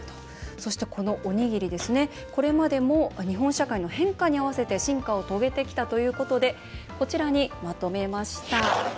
このおにぎり、これまでも日本社会の変化に合わせて進化を遂げてきたということでこちらにまとめました。